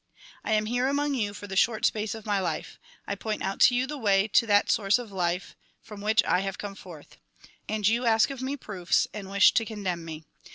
" I am here among you for the short space of my life. I point out to you the way to that source of life, from which I have come forth. And you ask of me proofs, and wish to condemn me.